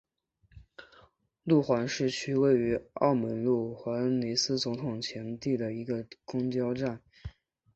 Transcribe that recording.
路环市区位于澳门路环恩尼斯总统前地的一个公车站。